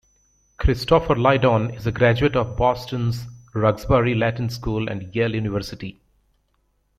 Christopher Lydon is a graduate of Boston's Roxbury Latin School and Yale University.